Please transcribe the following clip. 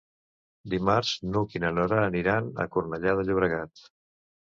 Dimarts n'Hug i na Nora aniran a Cornellà de Llobregat.